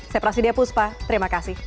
saya prasidya puspa terima kasih